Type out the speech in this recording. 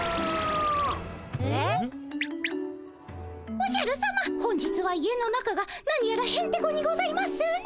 おじゃるさま本日は家の中がなにやらへんてこにございますね。